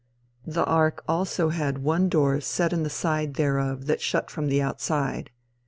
The ark also had one door set in the side thereof that shut from the outside.